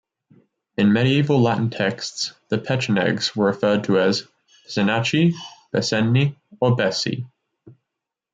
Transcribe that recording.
In medieval Latin texts, the Pechenegs were referred to as "Pizenaci", "Bisseni" or "Bessi".